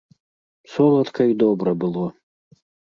Соладка й добра было.